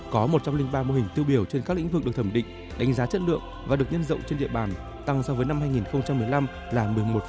có một trăm linh ba mô hình tiêu biểu trên các lĩnh vực được thẩm định đánh giá chất lượng và được nhân rộng trên địa bàn tăng so với năm hai nghìn một mươi năm là một mươi một năm